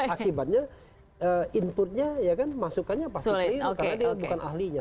akibatnya inputnya masukannya pasti klir karena dia bukan ahlinya